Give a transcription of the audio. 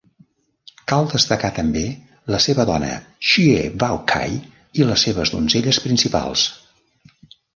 Cal destacar també la seva dona Xue Baochai i les seves donzelles principals.